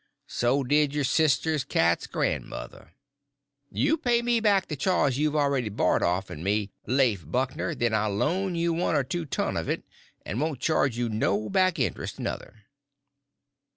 So did your sister's cat's grandmother. You pay me back the chaws you've awready borry'd off'n me, Lafe Buckner, then I'll loan you one or two ton of it, and won't charge you no back intrust, nuther."